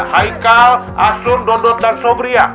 haikal asun dodot dan sobria